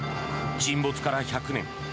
沈没から１００年